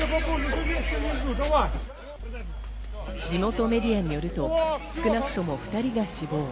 地元メディアによると少なくとも２人が死亡。